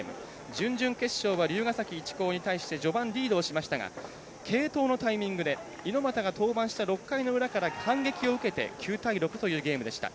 準々決勝は竜ヶ崎一高に対して序盤、リードしましたが継投のタイミングで猪俣が登板した、６回の裏から反撃を受けて９対６というゲームでした。